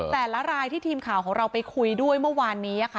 รายที่ทีมข่าวของเราไปคุยด้วยเมื่อวานนี้ค่ะ